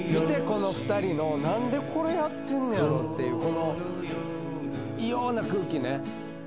この２人の「何でこれやってんねやろ？」っていうこの異様な空気ね。